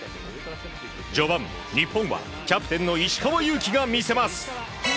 序盤、日本はキャプテンの石川祐希が見せます。